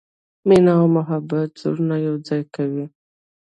مینه او محبت زړونه یو ځای کوي.